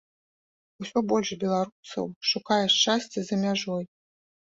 Усё больш беларусаў шукае шчасця за мяжой.